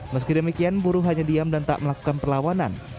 meski demikian buruh hanya diam dan tak melakukan perlawanan